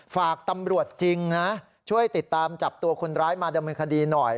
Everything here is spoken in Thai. ฝากตำรวจจริงนะช่วยติดตามจับตัวคนร้ายมาดำเนินคดีหน่อย